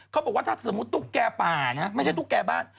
เขาบอกว่าถ้าสมมุติตุ๊กแก่ป่านะไม่ใช่ตุ๊กแก่บ้าน